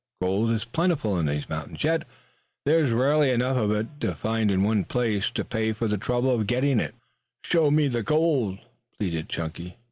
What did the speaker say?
Gold is plentiful in these mountains, yet there is rarely enough of it found in one place to pay for the trouble of getting it." "Show me the gold," pleaded Chunky.